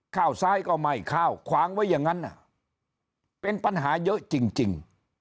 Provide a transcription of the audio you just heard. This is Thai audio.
ข้าวซ้ายก็ไหม้ข้าวขวางไว้อย่างนั้นเป็นปัญหาเยอะจริง